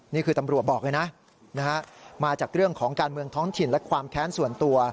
นี่คือตำรวจบอกเลยนะมาจากเรื่องของการเมืองท้องถิ่นและความแค้นส่วนตัว